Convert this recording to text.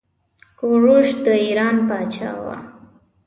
کوروش د ايران پاچا وه.